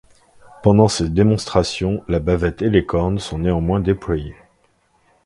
Pendant ces démonstrations, la bavette et les cornes sont néanmoins déployées.